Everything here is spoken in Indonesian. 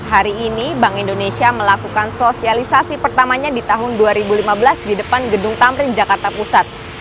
hari ini bank indonesia melakukan sosialisasi pertamanya di tahun dua ribu lima belas di depan gedung tamrin jakarta pusat